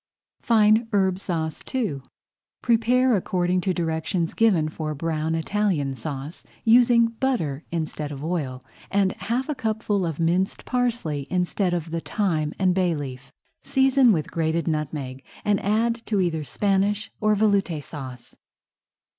FINE HERB SAUCE II Prepare according to directions given for Brown Italian Sauce, using butter instead of oil and half a cupful of minced parsley instead of the thyme and bay leaf. Season with grated nutmeg and add to either Spanish or Veloute Sauce.